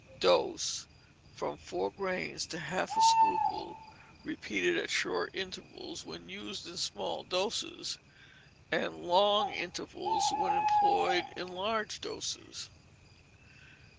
Dose, from four grains to half a scruple, repeated at short intervals when used in small doses, and long intervals when employed in large doses.